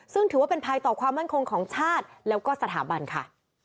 ซึ่งถือว่าเป็นภัยต่อความมั่นคงของชาติแล้วก็สถาบันค่ะ